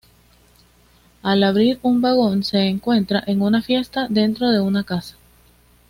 Al abrir un vagón se encuentra en una fiesta dentro de una casa.